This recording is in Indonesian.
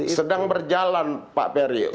justru ini sedang berjalan pak periw